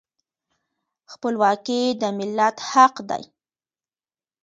خپلواکي د ملت حق دی.